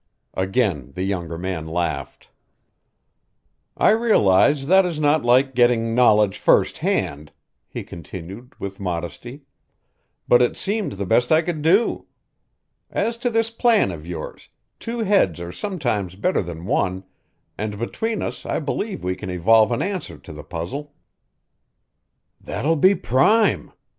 Again the younger man laughed. "I realize that is not like getting knowledge first hand," he continued with modesty, "but it seemed the best I could do. As to this plan of yours, two heads are sometimes better than one, and between us I believe we can evolve an answer to the puzzle." "That'll be prime!"